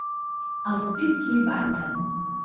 Els pits li ballen.